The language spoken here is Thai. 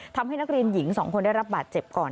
ทำให้นักเรียนหญิง๒คนได้รับบาดเจ็บก่อน